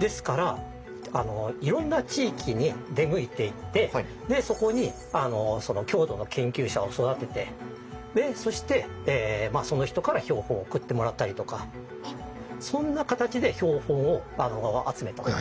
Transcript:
ですからいろんな地域に出向いていってそこに郷土の研究者を育ててそしてその人から標本を送ってもらったりとかそんな形で標本を集めたんです。